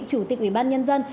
chủ tịch ủy ban nhân dân